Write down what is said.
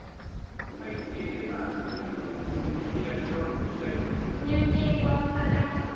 入っていれば、入金はされてましたか？